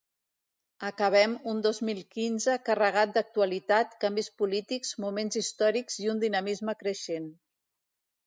Acabem un dos mil quinze carregat d’actualitat, canvis polítics, moments històrics i un dinamisme creixent.